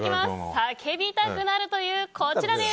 叫びたくなる！というこちらです。